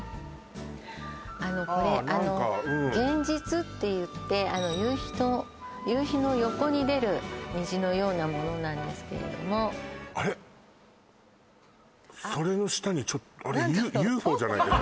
あのこれあのああ何かうん幻日っていってあの夕日夕日の横に出る虹のようなものなんですけれどもそれの下にちょっとあれＵＦＯじゃないですか？